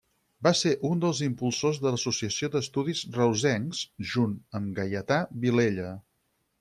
Va ser un dels impulsors de l'Associació d'Estudis Reusencs, junt amb Gaietà Vilella.